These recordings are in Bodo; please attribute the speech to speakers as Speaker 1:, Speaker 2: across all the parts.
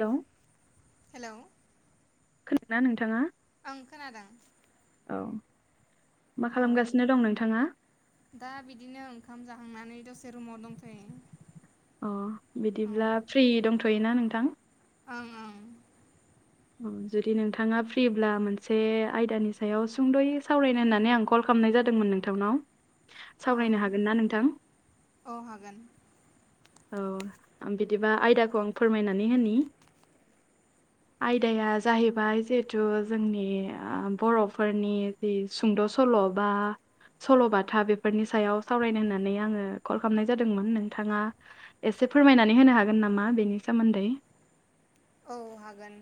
Speaker 1: हेलौ
Speaker 2: हेलौ
Speaker 1: खोनादोंना नोंथाङा?
Speaker 2: ओं खोनादों।
Speaker 1: औ मा खालामगासिनो दं नोंथाङा?
Speaker 2: दा बिदिनो ओंखाम जाहांनानै दसे रुमाव दंथ'यो।
Speaker 1: अ बिदिब्ला फ्रि दंथ'योना नोंथां?
Speaker 2: ओं ओं
Speaker 1: जुदि नोंथाङा फ्रिब्ला मोनसे आयदानि सायाव सुंद'यै सावरायनो होननानै आं कल खालामनाय जादोंमोन नोंथांनाव सावरायनो हागोन ना नोंथां।
Speaker 2: औ हागोन।
Speaker 1: औ आं ओ बिदिबा आयदाखौ आं फोरमायनानै होनि आयदाया जाहैबाय जिहेथु जोंनि ओ बर'फोरनि जि सुंद' सल' बा सल'बाथा बेफोरनि सायाव सावरायनो होननानै आङो कल खालामनाय जादोंमोन नोंथाङा एसे फोरमायनानै होनो हागोन नामा बेनि सोमोन्दै
Speaker 2: औ हागोन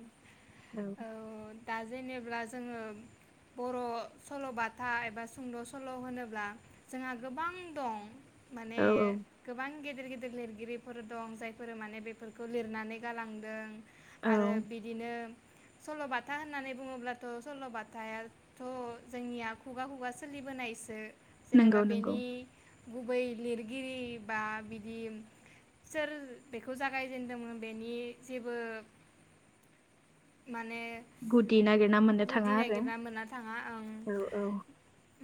Speaker 2: औ दा जेनेब्ला जोङो बर' सल'बाथा एबा सुंद' सल' होनोब्ला जोंहा गोबां दं माने गोबां गेदेर गेदेर लिरगिरिफोर दं जायफोर माने बेफोरखौ लिरनानै गालांदों। आरो बिदिनो सल'बाथा होननानै बुङोब्लाथ' सल'बाथाया थ' जोंनिया खुगा खुगा सोलिबोनायसो जेनेबा बेनि गुबै लिरगिरि बा बिदि सोर बेखौ जागायजेनदोंमोन बेनि जेबो माने गुदि नागिरना मोनना थाङा ओं।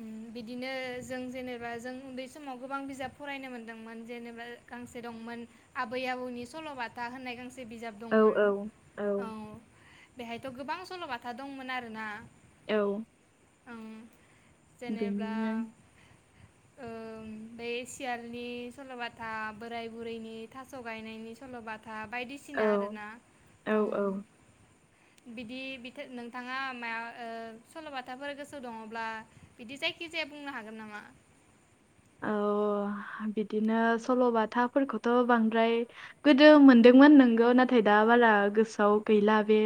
Speaker 2: उम बिदिनो जों जेनेबा जों उन्दै समाव गोबां बिजाब फरायनो मोनदोंमोन जेनेबा गांसे दंमोन आबै आबौनि सल'बाथा होननाय गांसे बिजाब दंमोन औ बेहायथ' गोबां सल'बाथा दंमोन आरोना।
Speaker 1: औ
Speaker 2: ओं जेनेब्ला ओम बै सियालनि सल'बाथा बोराय बुरैनि थास' गायनायनि सल'बाथा बायदिसिना आरोना ओम बिदि नोंथाङा माबा ओ सल'बाथाफोर गोसो दङब्ला बिदि जायखिजाया बुंनो हागोन नामा?
Speaker 1: औ बिदिनो सल'बाथाफोरखौथ' बांद्राय गोदो मोनदोंमोन नोंगौ नाथाय दा बारा गोसोआव गैला बे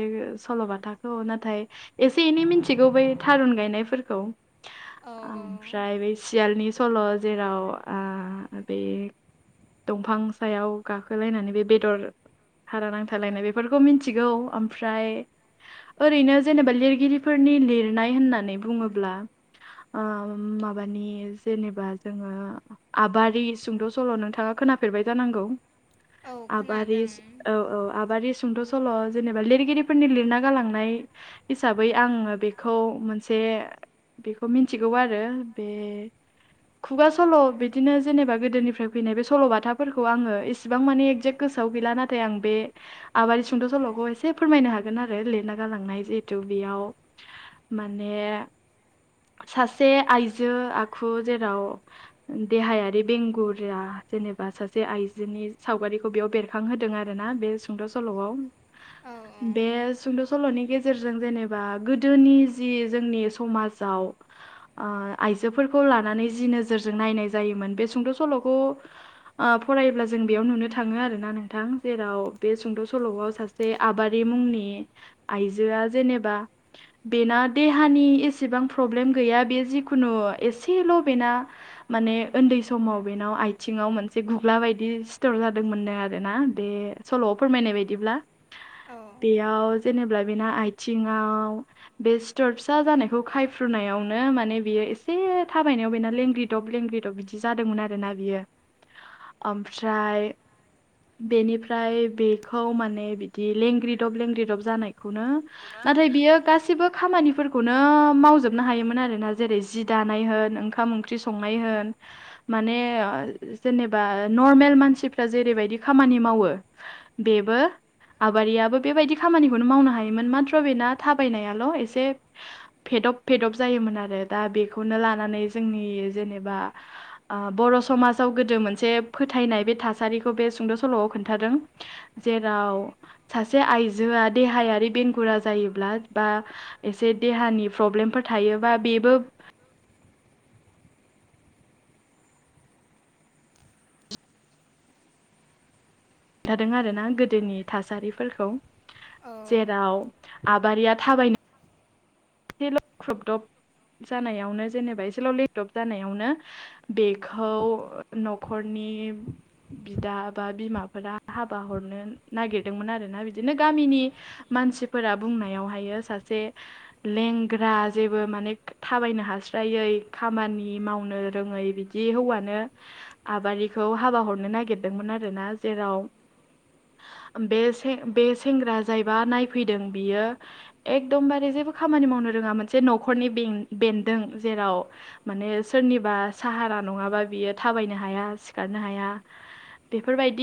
Speaker 1: सल'बाथाखौ नाथाय एसे एनै मिथिगौ बै थारुन गायनायफोरखौ ओमफ्राय बे सियालनि सल' जेराव ओ बे दंफां सायाव गाखोलायनानै बे बेदर हारा नांथालायनाय बेफोरखौ मिथिगौ ओमफ्राय ओरैनो जेनेबा लिरगिरिफोरनि लिरनाय होननानै बुङोब्ला आ माबानि जेनेबा ओ आबारि सुंद' सल' नोंथाङा खोनाफेरबाय जानांगौ आबारि स औ औ आबारि सुं सुंद' सल' जेनेबा लिरगिरिफोरनि लिरना गालांनाय हिसाबै आङो बेखौ मोनसे बेखौ मिथिगौ आरो खुगा सल' बिदिनो जेनेबा गोदोनिफ्राय फैनाय बे सल'बाथाफोरखौ आङो इसेबां माने एगजेक्ट गोसोआव गैला नाथाय आं बे आबारि सुंद' सल'खौ एसे फोरमायनो हागोन आरो लिरना गालांनाय जिहेतु बेयाव माने सासे आइजो आखु जेराव देहायारि बेंगुरा जेनेबा सासे आइजोनि सावगारिखौ बेयाव बेरखांहोदों आरो ना बे सुंद सल' बे सुंद' सल'नि गेजे गेजेरजों जेनेबा गोदोनि जि जोंनि समाजाव आइजोफोरखौ लानानै जि नोजोरजों नायनाय जायोमोन बे सुंद' सल'खौ ओ फरायोब्ला जों बेयाव नुनो थाङो आरोना नोंथां जेराव बे सुंद' सल'आव सासे जे आबारि मुंनि आइजोआ जेनेबा बेना देहानि एसेबां प्रब्लेम गैया बे जिखुनु एसेल' बेना माने उन्दै समाव बेनाव आथिङाव मोनसे गुग्ला बायदि सिथर जादोंमोन आरो ना बे सल'आव फोरमायनाय बायदिब्ला बेयाव जेनेबा बेना आथिङाव बे सिथर फिसा जानायखौ खायफ्रुनायावनो माने बियो एसे थाबायनायाव बेना लेंग्रि दब लेंग्रिदब बिदि जादोंमोन आरोना बियो ओमफ्राय बेनिफ्राय बेखौ माने बिदि लेंग्रिदब लेंग्रिदब जानायखौनो नाथाय बियो गासबो खामानिफोरखौनो मावजोबनो हायोमोन आरोना जेरै जि दानाय होन ओंखाम ओंख्रि ख्रि संनाय होन। माने जेनेबा नर्मेल मानसिफ्रा जेरैबायदि खामानि मावो। बेबो आबारियाबो बेबायदि खामानिखौनो मावनो हायोमोन माथ्र बेना थाबायनायाल' एसे फेदब फेदब जायोमोन आरो दा बेखौनो लानानै जोंनि जेनेबा ओ बर' समाजाव गोदो मोनसे फोथायनाय बे थासारिखौ बे सुंद' सल'आव खोन्थादों। जेराव सासे आइजोआ देहायारि बेंगुरा जायोब्ला बा एसे देहानि प्रब्लेमफोर थायोबा बेबो खिन्थादों आरोना गोदोनि थासारिफोरखौ जेराव आबारिया थाबायनो एसेल' ख्रबदब जानायावनो जेनेबा एसेल' लेबदब जानायावनो बेखौ न'खरनि बिदा बा बिमाफोरा हाबा हरनो नागिरदोंमोन आरोना बिदिनो गामिनि मानसिफोरा बुंनायावहायो सासे लेंग्रा जेबो माने थाबायनो हास्रायै खामानि मावनो रोङै बिदि जि हौवानो आबारिखौ हाबा हरनो नागिरदोंमोन आरो ना जेराव बे से बे सेंग्रा जायबा नायफैदों बियो एकदमबारे जेबो खामानि मावनो रोङा मोनसे न'खरनि बे बेन्दों जेराव माने सोरनिबा साहारा नङाबा बियो थाबायनो हाया सिखारनो हाया। बेफोरबायदि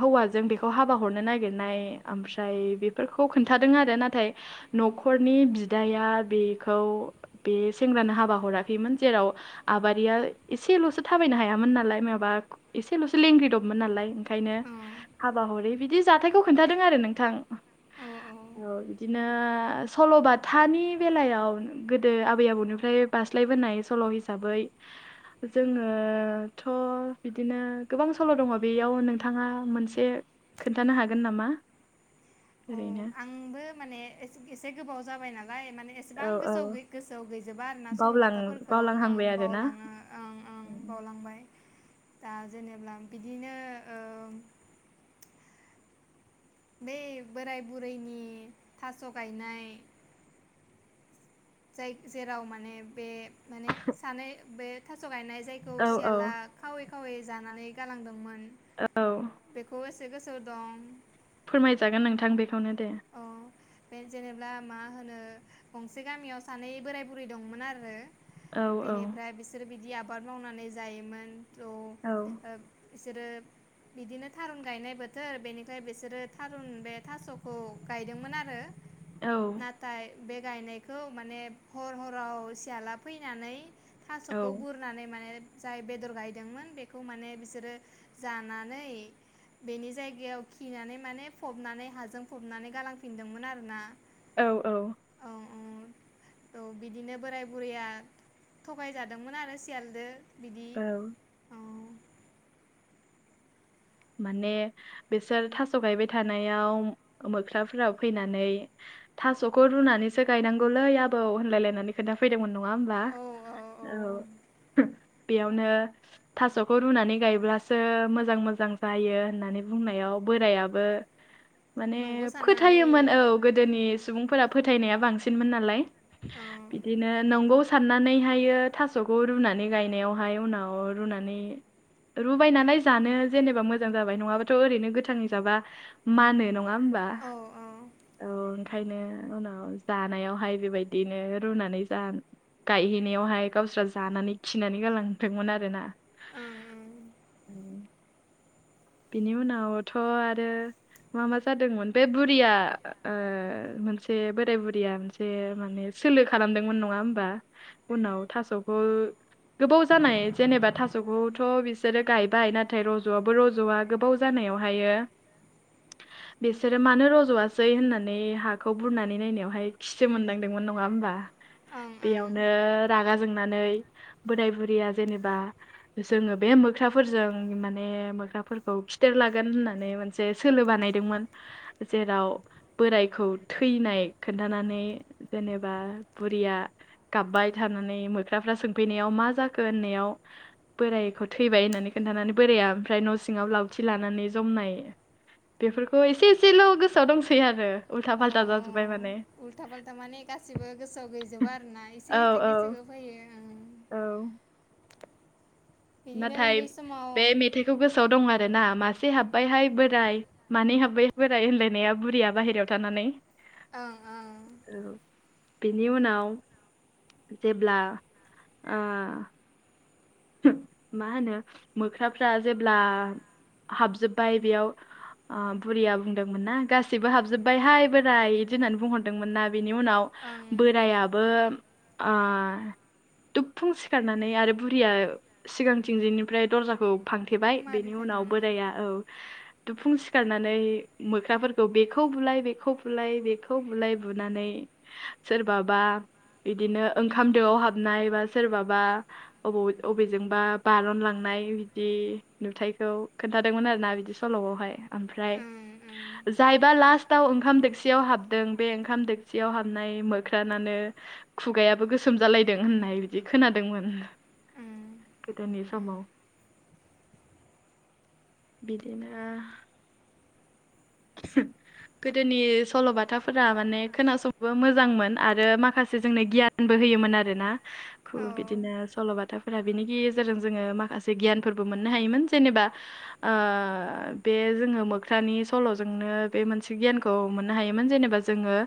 Speaker 1: हौवाजों बेखौ हाबा हरनो नागिरनाय ओमफ्राय बेफोरखौ खोन्थादों आरो नाथाय न'खरनि बिदाया बेखौ बे सेंग्रानो हाबा हराखैमोन जेराव आबारिया एसेल'सो थाबायनो हायामोन नालाय माबा एसेल'सो लेंग्रिदबमोन नालाय। ओंखायनो हाबा हरि बिदि जाथायखौ खोन्थादों आरो नोंथां औ बिदिनो सल'बाथानि बेलायाव गोदो आबै आबौनिफ्राय बास्लायबोनाय सल' हिसाबै जोङोथ' बिदिनो गोबां सल' दङ बेयाव नोंथाङा मोनसे खोन्थानो हागोन नामा ओरैनो?
Speaker 2: आंबो माने एसे गोबाव जाबाय नालाय माने एसेबां गोसो गोसोआव गैजोबा आरो ना सल'बाथाफोरखौ ओं बावलाङो। ओं ओं बावलांबाय।
Speaker 1: [inaudible]
Speaker 2: दा जेनेबा बिदिनो ओ बै बोराय बुरैनि थास' गायनाय जाय जेराव माने बे माने सानै बे थास' गायनाय जायखौ सियाला खावै खावै जानानै गालांदोंमोन। बेखौ एसे गोसोआव दं।
Speaker 1: फोरमायजागोन नोंथां बेखौनो दे।
Speaker 2: अ बे जेनेबा मा होनो? गंसे गामियाव सानै बोराय बुरै दंमोन आरो बेनिफ्राय बिसोरो बिदि आबाद मावनानै जायोमोन थ' बिसोरो बिदिनो थारुन गायनाय बोथोर बेनिफ्राय बिसोरो थारुन बे थास' खौ गायदोंमोन आरो
Speaker 1: औ
Speaker 2: नाथाय बे गायनायखौ माने हर हराव सियाला फैनानै थास'खौ बुर नानै माने जाय बेदर गायदोंमोन बेखौ माने बिसोरो जानानै बेनि जायगायाव खिनानै माने फबनानै हाजों फबनानै गालांफिनदोंमोन आरोना।
Speaker 1: औ औ।
Speaker 2: ओ बिदिनो बोराय बुरैया थगायजादोंमोन आरो सियालदो बिदि
Speaker 1: माने बिसोर थास' गायबाय थानायाव मोख्राफोरा फैनानै थास'खौ रुनानैसो गायनांगौलै आबौ होनलायलायनानै खोनन्थाफैदोंमोन नङा होमब्ला? औ। बेयावनो थास'खौ रुनानै गायब्लासो मोजां मोजां जा जायो होननानै बुंनायाव बोरायाबो माने फोथायोमोन औ। गोदोनि सुबुंफोरा फोथायनाया बांसिनमोन नालाय। बिदिनो नंगौ साननानैहायो थास'खौ रुनानै गायनायावहाय उनाव रुनानै रुबाय नालाय जानो जेनेबा मोजां। मोजां जाबाय नङाबाथ' ओरैनो गोथांनि जाबा मानो नङा होमबा? औ ओंखायनो उनाव जानायावहाय बेबायदिनो रुनानै जा ओ गायहैनायावहाय गावसोरा जानानै खिनानै गालांदोंमोन आरोना [inaudible] बिनि उनावथ' आरो मा मा जादोंमोन बे बुरिया ओ मोनसे बोराय बुरिया मोनसे माने सोलो खालामदोंमोन नङा होमबा? उनाव थास'खौ गोबाव जानाय जेनेबा थास'खौथ' बिसोरो गायबाय नाथाय रज'आबो रज'आ ओ ज'आ गोबाव जानायाव हायो बिसोरो मानो रज'वासै होननानै हाखौ बुरनानै नायनायावहाय खिसो मोनदांदोंमोन नङा होमबा? बेयावनो रागा जोंनानै बोराय बुरिया जेनेबा जोङो बे मोख्राफोरजों माने मोख्रा ओ ख्राफोरखौ खिथेरलागोन होननानै मोनसे सोलो बानायदोंमोन जेराव बोरायखौ थैनाय खोन्थानानै जेनेबा बुरियाहा गाब्बाय थानानै मोख्राफ्रा सोंफैनायाव मा जाखो होननायाव बोरायखौ थैबाय होननानै खोनन्थानानै बोराया ओमफ्राय न' सिङाव लावथि लानानै जोमनाय बेफोरखौ एसे एसेल' गोसोआव दंसै आरो।
Speaker 2: औ औ उल्था फाल्था माने गासिबो गोसोआव गैजबो आरोोना एसे एसे गोसो फैयो ओं
Speaker 1: औ। नाथाय बे मेथाइखौ गोसोआव दं आरोना मासे हाब्बायहाय बोराय मानै हाबबाय बोराय होनलायनाया बुरिया बाहेरायाव थानानै।
Speaker 2: ओं ओं।
Speaker 1: औ बिनि उनाव जेब्ला मा होनो मोख्राफ्रा जेब्ला हाबजोब्बाय बेयाव ओ बुरिया बुंदोंमोन ना गासैबो हाबजोब्बायहाय बोराय बिदि होननानै बुंहरदोंमोन ना बिनि उनाव बोराया दुफुं सिखारनानै आरो बुरैया सिगांथिंजिनिफ्राय दर्जाखौ फांथेबाय बेनि उनाव बोराया औ। दुफुं सिखारनानै मोख्राफोरखौ बेखौ बुलाय बेखौ बुलाय बेखौ बुलाय बुनानै सोरबाबा बिदिनो ओंखाम दोआव हाबनाय बा सोरबाबा अबावबा बबेजोंबा बारनलांनाय बिदि नुथायखौ खोन्थादोंमोन आर ना बिदि सल'आवहाय। ओमफ्राय जायबा लास्टाव ओंखाम दखसियाव हाबदों बे ओंखाम दोगसियाव हाबनाय मोख्रनानो खुगायाबो गोसोम जालायदों होननाय बिदि खोनादोंमोन। गोदनि समाव। बिदिनो [unintelligible] गोदोनि सल'बाथाफोरा माने खोनासंबो मोजांमोन आरो माखासे जोंनो गियान बो होयोमोन आरो ना बिदिनो सल'बाथा फोरा बेनि गेजेरजों जोङो माखासे गियानफोरबो मोननो हायोमोन जेनेबा बे जोङो मोख्रानि सल'जोंनो बे मोनसे गियानखौ मोननो हायोमोन जेनेबा जोङो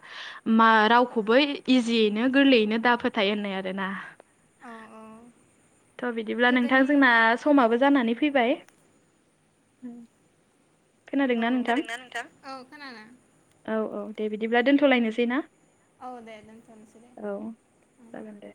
Speaker 1: मा रावखौबो इजियैनो गोरलैयैनो दा फोथाय होननाय आरो ना
Speaker 2: औ औ
Speaker 1: थ' बिदिब्ला नोंथां जोंना समाबो जानानै फैबाय खोनादोंना नोंथां औ औ दे बिदिब्ला दोनथ'लायनोसै ना
Speaker 2: औ दे दोनथनोसै दे
Speaker 1: औ जागोन दे